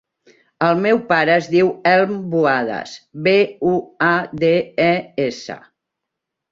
El meu pare es diu Elm Buades: be, u, a, de, e, essa.